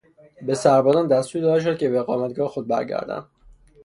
به سربازان دستور داده شد که به اقامتگاه خود برگردند.